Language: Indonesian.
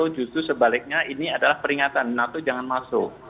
justru sebaliknya ini adalah peringatan nato jangan masuk